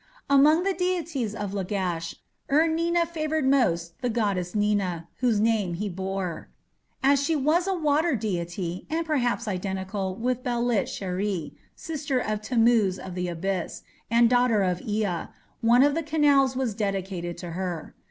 Among the deities of Lagash, Ur Nina favoured most the goddess Nina, whose name he bore. As she was a water deity, and perhaps identical with Belit sheri, sister of "Tammuz of the Abyss" and daughter of Ea, one of the canals was dedicated to her.